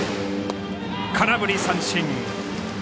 空振り三振！